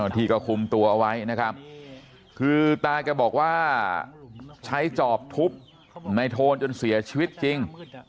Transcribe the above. ที่ก็คุมตัวเอาไว้นะครับคือตาแกบอกว่าใช้จอบทุบในโทนจนเสียชีวิตจริง